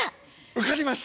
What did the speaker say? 受かりました。